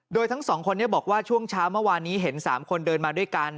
โดยทั้งสองคนนี้บอกว่าช่วงเช้าเมื่อวานนี้เห็น๓คนเดินมาด้วยกัน